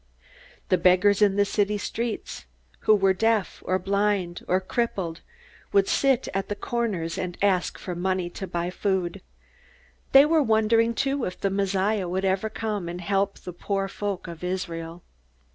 The beggars in the city streets, who were deaf, or blind, or crippled, would sit at the corners and ask for money to buy food. They were wondering too if the Messiah would ever come and help the poor folk of Israel.